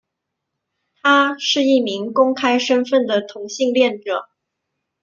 他是一名公开身份的同性恋者。